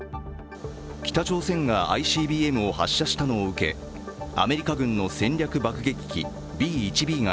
北朝鮮がＩＣＢＭを発射したのを受け、アメリカ軍の戦略爆撃機Ｂ−１Ｂが